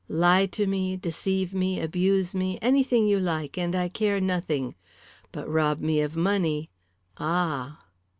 Lie to me, deceive me, abuse me, anything you like, and I care nothing. But rob me of money, ah!"